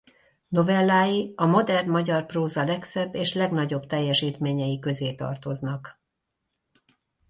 Novellái a modern magyar próza legszebb és legnagyobb teljesítményei közé tartoznak.